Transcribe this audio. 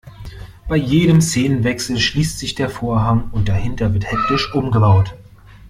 Bei jedem Szenenwechsel schließt sich der Vorhang und dahinter wird hektisch umgebaut.